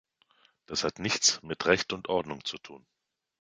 Das hat nichts mit Recht und Ordnung zu tun.